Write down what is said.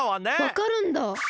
わかるんだ！？